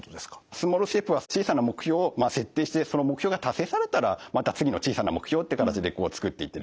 スモールステップは小さな目標を設定してその目標が達成されたらまた次の小さな目標っていう形でつくっていってですね